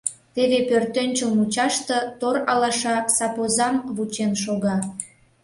Теве пӧртӧнчыл мучаште тор алаша сапозам вучен шога.